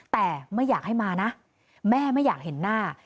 แต่ไม่อยากให้มานะแม่ไม่อยากเห็นหน้า